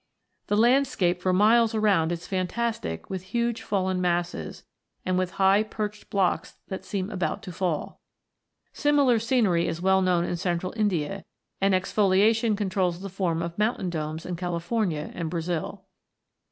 18). The landscape for miles around is fantastic with huge fallen masses, and with high perched blocks that seem about to fall. Similar scenery is well known in central India, and exfoliation controls the form of mountain domes in California and Brazil.